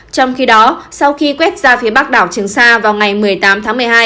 trong khi đó sau khi quét ra phía bắc đảo trường sa vào ngày một mươi tám tháng một mươi hai